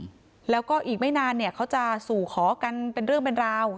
แล้วก็อีกไม่นานเนี่ยเขาจะสู่ขอกันเป็นเรื่องเป็นราว